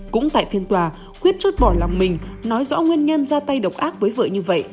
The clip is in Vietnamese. cũng tại phiên tòa quyết chốt bỏ lòng mình nói rõ nguyên nhân ra tay độc ác với vợ như vậy